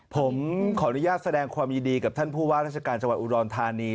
ผมขออนุญาตแสดงความยินดีกับท่านผู้ว่าราชการจังหวัดอุดรธานี